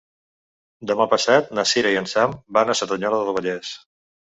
Demà passat na Cira i en Sam van a Cerdanyola del Vallès.